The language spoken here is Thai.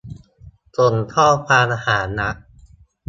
ส่งข้อความหานัท